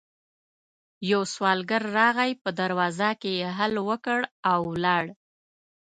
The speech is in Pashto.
يو سوالګر راغی، په دروازه کې يې هل وکړ او ولاړ.